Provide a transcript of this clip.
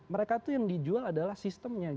mereka tuh yang dijual adalah sistemnya